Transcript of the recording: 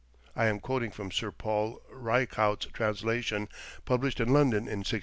(I am quoting from Sir Paul Rycaut's translation, published in London in 1688.)